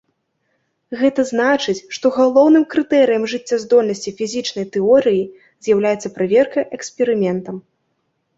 Гэта значыць, што галоўным крытэрыем жыццяздольнасці фізічнай тэорыі з'яўляецца праверка эксперыментам.